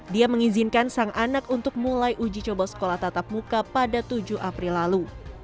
dia mengizinkan sang anak untuk mulai uji coba sekolah tatap muka pada tujuh april lalu